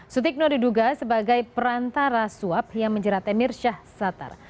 sutikno diduga sebagai perantara suap yang menjerat emir syahsatar